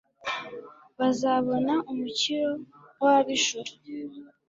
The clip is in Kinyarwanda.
bazabona umukiro w'ab'ijuru